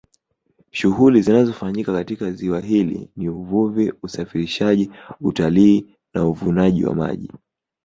Shughuli zinazofanyika katika ziwa hili ni uvuvi usafirishaji utalii na uvunaji wa maji